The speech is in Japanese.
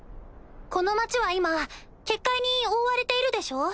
この町は今結界に覆われているでしょう？